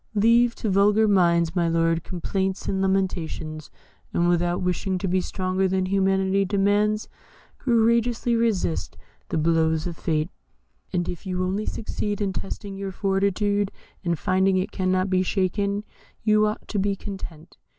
Leave to vulgar minds, my lord, complaints and lamentations, and without wishing to be stronger than humanity demands, courageously resist the blows of fate, and if you only succeed in testing your fortitude, and finding it cannot be shaken, you ought to be content.